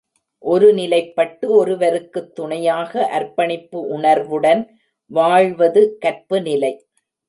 ஒரு நிலைப்பட்டு ஒருவருக்குத் துணையாக அர்ப்பணிப்பு உணர்வுடன் வாழ்வது கற்புநிலை.